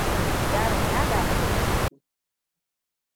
Yaron ya damu da keke.